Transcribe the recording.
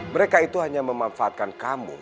mereka itu hanya memanfaatkan kamu